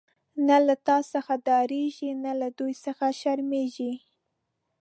نه له تا څخه ډاریږی، نه له دوی څخه شرمیږی